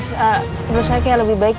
ibu saya kayak lebih baik